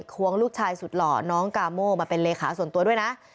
ควงลูกชายสุดหล่อน้องกาโมมาเป็นเลขาส่วนตัวด้วยนะ